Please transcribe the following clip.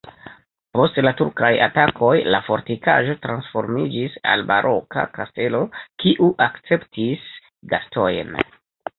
Post la turkaj atakoj la fortikaĵo transformiĝis al baroka kastelo, kiu akceptis gastojn.